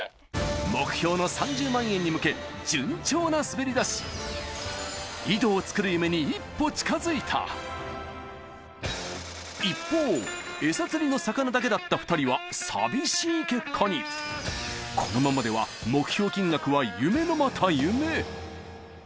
目標の３０万円に向け順調な滑り出し井戸を作る夢に一歩近づいた一方エサ釣りの魚だけだった２人は寂しい結果にこのままでは目標金額は夢のまた夢